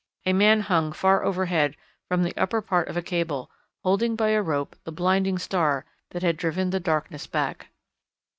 A man hung far overhead from the upper part of a cable, holding by a rope the blinding star that had driven the darkness back.